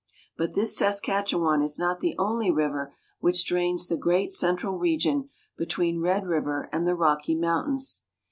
But this Saskatchewan is not the only river which drains the great central region between Red River and the Rocky Mountains.